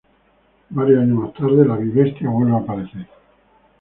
Varios años más tarde, la Bi-Bestia vuelve a aparecer.